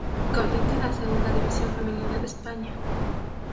Compite en la Segunda División Femenina de España.